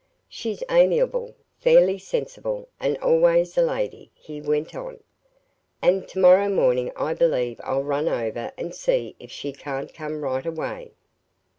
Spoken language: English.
"She's amiable, fairly sensible, and always a lady," he went on; "and to morrow morning I believe I'll run over and see if she can't come right away."